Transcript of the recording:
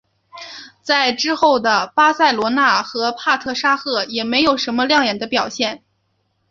在之后的巴塞罗那和帕特沙赫也并没有什么亮眼的表现。